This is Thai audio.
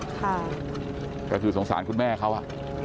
ค่ะก็คือสงสารคุณแม่เขาอ่ะ